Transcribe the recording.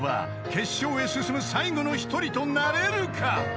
［決勝へ進む最後の一人となれるか？］